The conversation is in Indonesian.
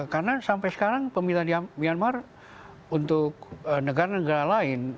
karena sampai sekarang pemerintah myanmar untuk negara negara lain